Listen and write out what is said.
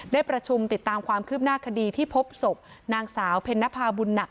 ได้ประชุมติดตามความคืบหน้าคดีที่พบศพนางสาวเพ็ญนภาบุญหนัก